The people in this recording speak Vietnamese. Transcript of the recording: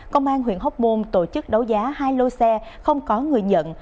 công an huyện hóc môn tổ chức đấu giá hai lô xe không có người nhận